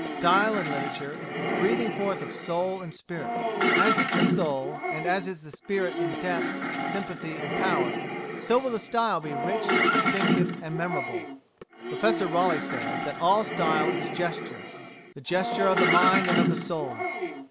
Style in literature is the breathing forth of soul and spirit; as is the soul, and as is the spirit in depth, sympathy, and power, so will the style be rich, distinctive, and memorable. Professor Raleigh says that "All style is gesture the gesture of the mind and of the soul.